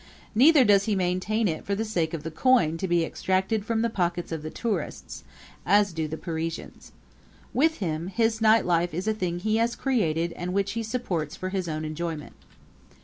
Neither does he maintain it for the sake of the coin to be extracted from the pockets of the tourist, as do the Parisians. With him his night life is a thing he has created and which he supports for his own enjoyment.